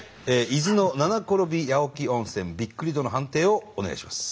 伊豆の七転び八起き温泉びっくり度の判定をお願いします。